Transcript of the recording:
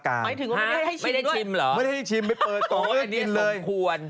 หมายถึงก็ไม่ได้ให้ชิมด้วยไม่ได้ให้ชิมไปเปิดโอ้อันนี้สมควร